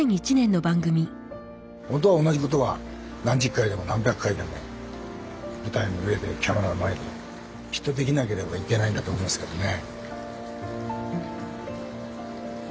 本当は同じことは何十回でも何百回でも舞台の上でキャメラの前できっとできなければいけないんだと思うんですけどね。